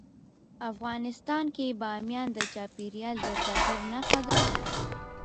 افغانستان کې بامیان د چاپېریال د تغیر نښه ده.